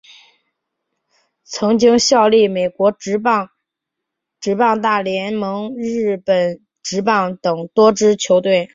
曾经效力美国职棒大联盟日本职棒等多支球队。